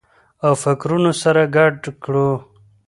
او فکرونه سره ګډ کړو